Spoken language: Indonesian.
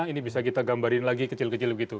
ini bisa kita gambarin lagi kecil kecil begitu